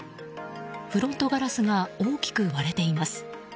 フロントガラスが大きく割れています。